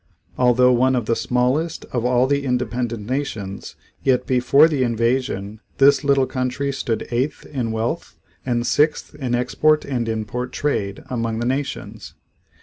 Although one of the smallest of all the independent nations yet before the invasion this little country stood eighth in wealth and sixth in export and import trade among the nations.